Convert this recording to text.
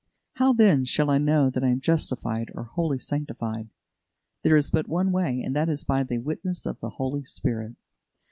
How, then, shall I know that I am justified or wholly sanctified? There is but one way, and that is by the witness of the Holy Spirit.